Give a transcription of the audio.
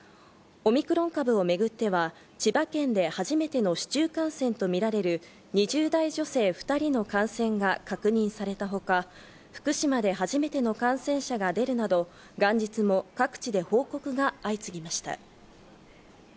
オミクロン株をめぐっては千葉県で初めての市中感染とみられる２０代女性２人の感染が確認されたほか、福島で初めての感染者が出るなど元日も各地で報告が相次ぎました。